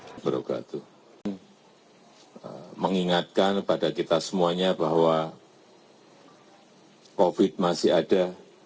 jokowi mengingatkan kepada kita semuanya bahwa covid sembilan belas masih ada